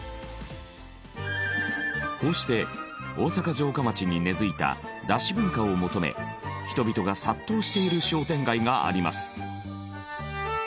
こうして大阪城下町に根付いただし文化を求め人々が殺到している商店街があります。